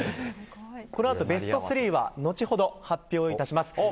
このあとベスト３は後ほど発表致します。